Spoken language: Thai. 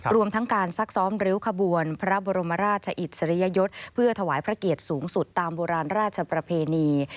รวมทั้งการซักซ้อมริ้วขบวนพระบรมราชอิสริยยศเพื่อถวายพระเกียรติสูงสุดตามโบราณราชประเพณี